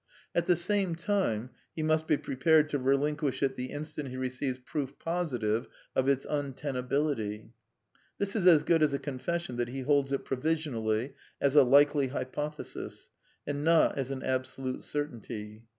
At the same time he must be prepared to relinquish it the instant he receives proof positive of its untenability. This is as good as a confession that he holds it provision ally, as a likely hypothesis, and not as an absolute cer tainty.